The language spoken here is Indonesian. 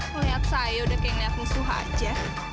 ngeliat saya udah kayak ngeliat musuh aja